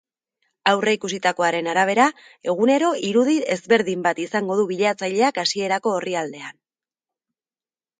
Aurreikusitakoaren arabera, egunero irudi ezberdin bat izango du bilatzaileak hasierako orrialdean.